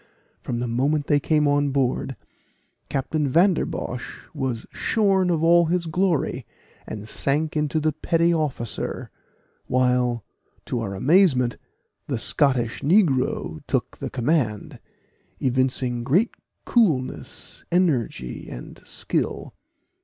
From the moment they came on board, Captain Vanderbosh was shorn of all his glory, and sank into the petty officer while, to our amazement, the Scottish negro took the command, evincing great coolness, energy, and skill.